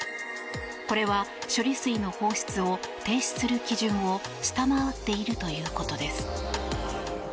これは処理水の放出を停止する基準を下回っているということです。